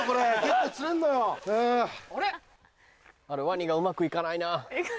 ワニがうまくいかないな。